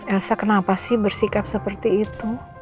elsa kenapa sih bersikap seperti itu